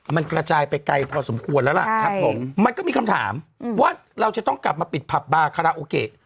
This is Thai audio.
มันกระจายไปไกลพอสมควรแล้วล่ะครับผมมันก็มีคำถามว่าเราจะต้องกลับมาปิดผับบาคาราโอเกะ